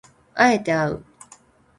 敢えてあう